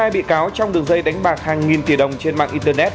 chín mươi hai bị cáo trong đường dây đánh bạc hàng nghìn tỷ đồng trên mạng internet